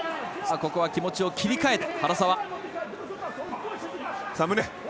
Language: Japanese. ここは気持ちを切り替えて、原沢。